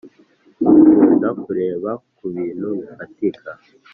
Mukunda kureba kubintu bifatika